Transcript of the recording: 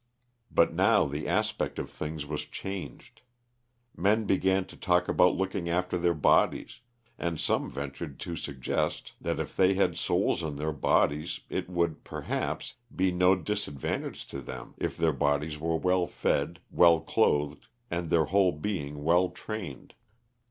But now the aspect of things was changed. Men began to talk about looking after their bodies; and some ventured to suggest that if they had souls in their bodies it would, perhaps, be no disadvantage to them if their bodies were well fed, well clothed, and their whole being well trained.